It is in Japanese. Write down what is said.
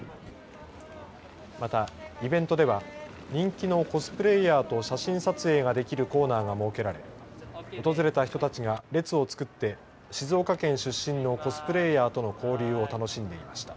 また、イベントでは人気のコスプレイヤーと写真撮影ができるコーナーが設けられ訪れた人たちが列を作って静岡県出身のコスプレイヤーとの交流を楽しんでいました。